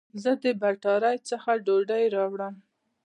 زه د بټاری څخه ډوډي راوړم